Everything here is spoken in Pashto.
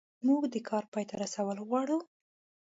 موږ د کار پای ته رسول غواړو.